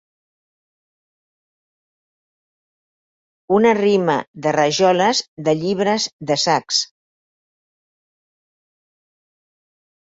Una rima de rajoles, de llibres, de sacs.